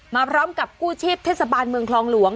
มาพร้อมกับกู้ชีพเทศบาลเมืองคลองหลวง